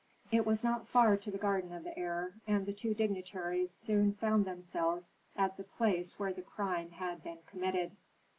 It was not far to the garden of the heir, and the two dignitaries soon found themselves at the place where the crime had been committed.